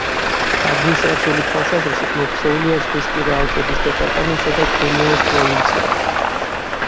ადმინისტრაციული თვალსაზრისით მოქცეულია ზღვისპირა ალპების დეპარტამენტსა და კუნეოს პროვინციაში.